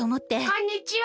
こんにちは。